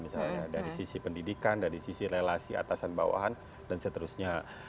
misalnya dari sisi pendidikan dari sisi relasi atasan bawahan dan seterusnya